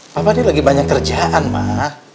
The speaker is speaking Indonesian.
papa ini lagi banyak kerjaan mah